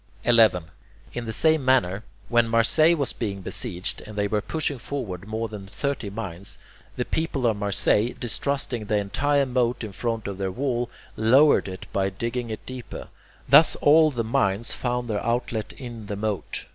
11. In the same manner, when Marseilles was being besieged, and they were pushing forward more than thirty mines, the people of Marseilles, distrusting the entire moat in front of their wall, lowered it by digging it deeper. Thus all the mines found their outlet in the moat.